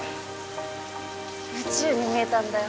宇宙に見えたんだよ